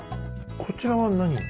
こちらは何？